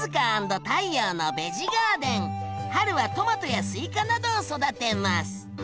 春はトマトやスイカなどを育てます。